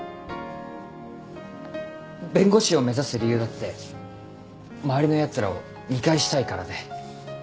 弁護士を目指す理由だって周りのやつらを見返したいからで。